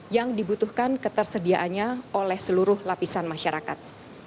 yang dibutuhkan ketersediaannya oleh seluruh lapisan masyarakat